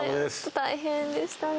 大変でしたね。